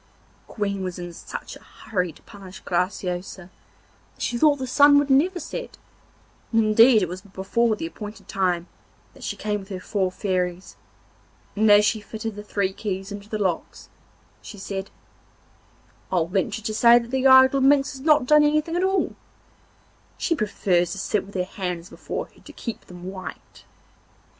The wicked Queen was in such a hurry to punish Graciosa that she thought the sun would never set; and indeed it was before the appointed time that she came with her four Fairies, and as she fitted the three keys into the locks she said: 'I'll venture to say that the idle minx has not done anything at all—she prefers to sit with her hands before her to keep them white.